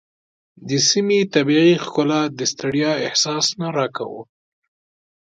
د سیمې طبیعي ښکلا د ستړیا احساس نه راکاوه.